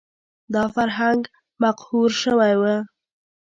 دا فرهنګ مقهور شوی و